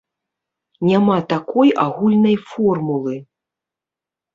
Няма такой агульнай формулы.